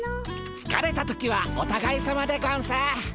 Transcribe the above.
つかれた時はおたがいさまでゴンス。